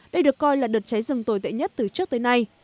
đây được coi là đợt cháy rừng tồi tệ nhất từ trước tới nay